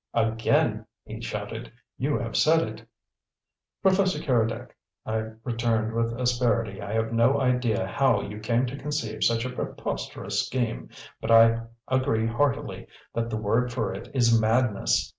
"Again," he shouted, "you have said it!" "Professor Keredec," I returned, with asperity, "I have no idea how you came to conceive such a preposterous scheme, but I agree heartily that the word for it is madness.